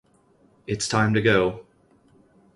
It’s time to go.